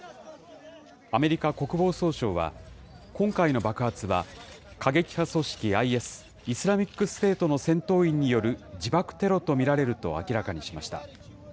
アメリカ国防総省は、今回の爆発は、過激派組織ＩＳ・イスラミックステートの戦闘員による自爆テロと見られると明らかにしました。